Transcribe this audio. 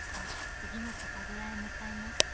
次の酒蔵へ向かいます。